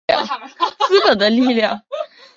维拉湾海战是太平洋战争中的一场海上战斗。